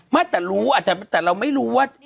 ไม่แต่รู้อาจจะแต่เราไม่รู้ว่า